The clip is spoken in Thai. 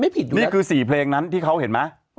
มันไม่ผิดอยู่แล้วนี่คือสี่เพลงนั้นที่เขาเห็นไหมอ๋อ